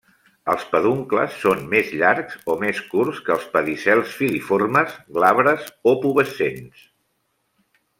Els peduncles són més llargs o més curts que els pedicels filiformes, glabres o pubescents.